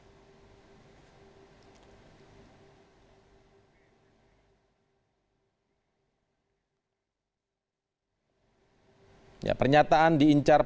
pernyataan diincar penguasa sejak lama oleh dahlan iskan saat akan diperintahkan